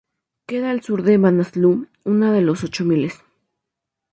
Queda al sur del Manaslu, una de los ochomiles.